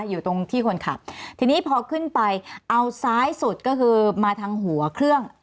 อยู่ตรงที่คนขับทีนี้พอขึ้นไปเอาซ้ายสุดก็คือมาทางหัวเครื่อง